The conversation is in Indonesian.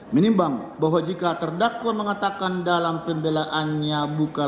menimbang bahwa jika terdakwa mengatakan dalam pembelaannya